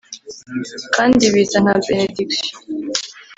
kandi biza nka benediction